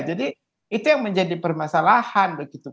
jadi itu yang menjadi permasalahan begitu